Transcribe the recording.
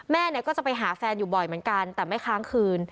แม่เนี่ยก็จะไปหาแฟนอยู่บ่อยเหมือนกันแต่ไม่ค้างคืน